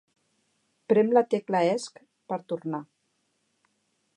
Prem la tecla Esc per tornar.